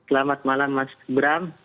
selamat malam mas ibram